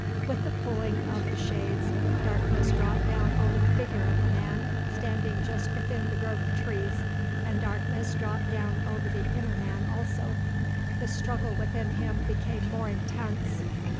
With the pulling of the shades darkness dropped down over the figure of the man standing just within the grove of trees and darkness dropped down over the inner man also. The struggle within him became more intense.